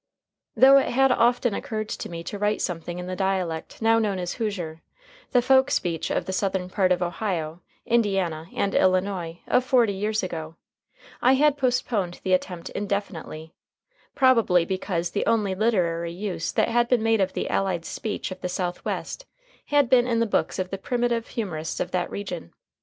Though it had often occurred to me to write something in the dialect now known as Hoosier the folk speech of the southern part of Ohio, Indiana, and Illinois of forty years ago I had postponed the attempt indefinitely, probably because the only literary use that had been made of the allied speech of the Southwest had been in the books of the primitive humorists of that region.